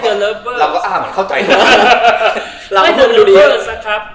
เราก็อ้าวเหมือนเข้าใจ